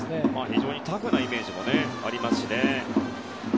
非常にタフなイメージもありますね。